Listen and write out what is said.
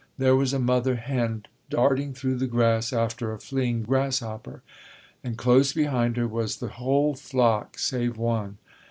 There was a mother hen darting through the grass after a fleeing grasshopper, and close behind her was the whole flock save one.